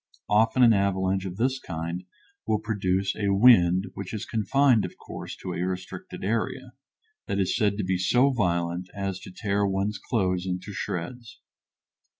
Often an avalanche of this kind will produce a wind, which is confined, of course, to a restricted area, that is said to be so violent as to tear one's clothes into shreds.